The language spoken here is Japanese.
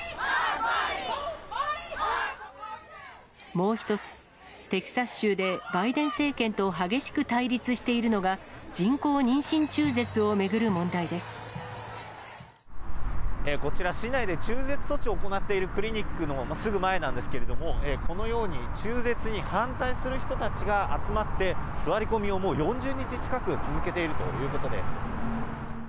もう一つ、テキサス州でバイデン政権と激しく対立しているのが、人工妊娠中こちら、市内で中絶措置を行っているクリニックのすぐ前なんですけれども、このように中絶に反対する人たちが集まって、座り込みをもう４０日近く、続けているということです。